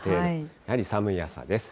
やはり寒い朝です。